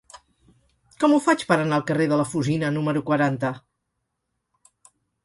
Com ho faig per anar al carrer de la Fusina número quaranta?